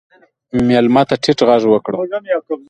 مېلمه ته ټیټ غږ وکړه.